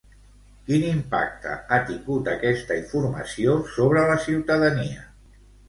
Quin impacte ha tingut aquesta informació sobre la ciutadania?